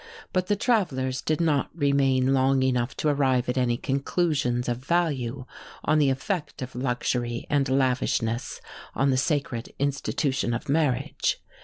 But the travellers did not remain long enough to arrive at any conclusions of value on the effect of luxury and lavishness on the sacred institution of marriage.